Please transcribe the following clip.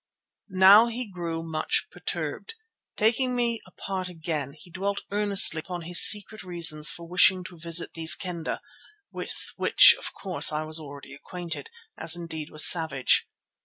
Now he grew much perturbed. Taking me apart again he dwelt earnestly upon his secret reasons for wishing to visit these Kendah, with which of course I was already acquainted, as indeed was Savage.